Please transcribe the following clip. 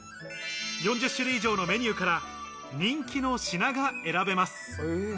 ４０種類以上のメニューから人気の品が選べます。